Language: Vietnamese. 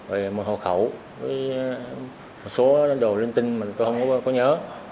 rồi một hộp khẩu với một số đồ linh tinh mà tôi không có nhớ